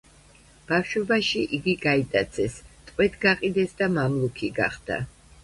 ბავშვობაში, იგი გაიტაცეს, ტყვედ გაყიდეს და მამლუქი გახდა.